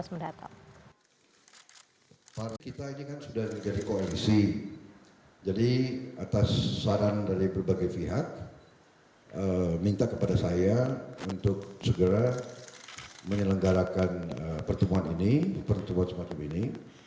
minta kepada saya untuk segera menyelenggarakan pertemuan ini pertemuan semacam ini